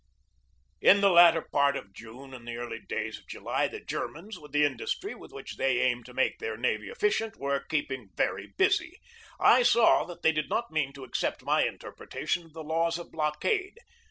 262 GEORGE DEWEY In the latter part of June and the early days of July the Germans, with the industry with which they aim to make their navy efficient, were keeping very busy. I saw that they did not mean to accept my interpretation of the laws of blockade.